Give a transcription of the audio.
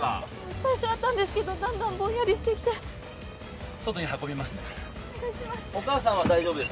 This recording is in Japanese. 最初あったんですけどだんだんぼんやりしてきて外に運びますねお願いします